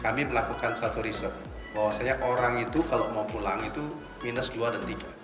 kami melakukan suatu riset bahwasannya orang itu kalau mau pulang itu minus dua dan tiga